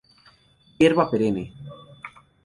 Hierba perenne.